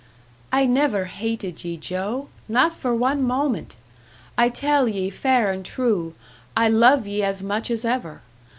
"I never hated ye, Joe! Not for one moment! I tell ye fair and true, I love ye as much as ever.